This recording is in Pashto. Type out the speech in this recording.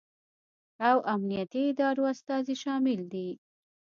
او امنیتي ادارو استازي شامل دي